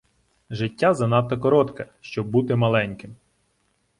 Життя занадто коротке, щоб бути маленьким.